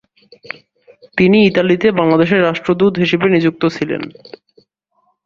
তিনি ইতালিতে বাংলাদেশের রাষ্ট্রদূত হিসেবে নিযুক্ত ছিলেন।